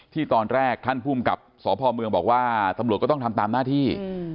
ตอนแรกท่านภูมิกับสพเมืองบอกว่าตำรวจก็ต้องทำตามหน้าที่